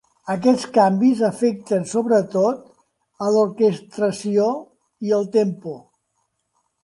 Aquests canvis afecten sobretot a l'orquestració i el tempo.